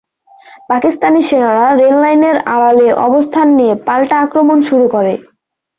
পাকিস্তানি সেনারা রেললাইনের আড়ালে অবস্থান নিয়ে পাল্টা আক্রমণ শুরু করে।